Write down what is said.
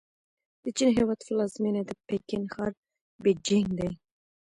د چین هېواد پلازمېنه د پکن ښار بیجینګ دی.